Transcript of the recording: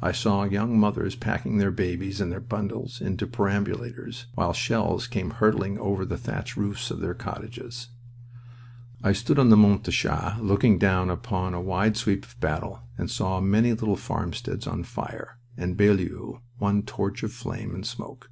I saw young mothers packing their babies and their bundles into perambulators while shells came hurtling over the thatched roofs of their cottages. I stood on the Mont des Chats looking down upon a wide sweep of battle, and saw many little farmsteads on fire and Bailleul one torch of flame and smoke.